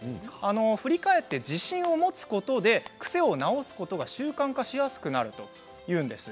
振り返って自信を持つことで癖を直すことが習慣化しやすくなるそうです。